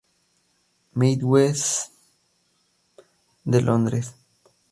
Mathews de Londres.